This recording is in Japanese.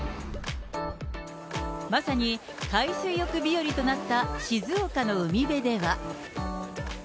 まさに海水浴日和となった静岡の海辺では。